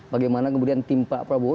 bagaimana kemudian tim pak prabowo